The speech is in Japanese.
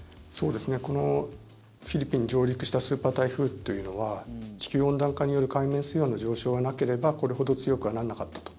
このフィリピンに上陸したスーパー台風というのは地球温暖化による海面水温の上昇がなければこれほど強くはならなかったと。